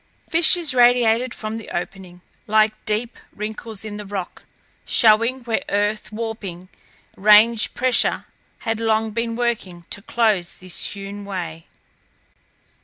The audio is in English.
Fissures radiated from the opening, like deep wrinkles in the rock, showing where earth warping, range pressure, had long been working to close this hewn way.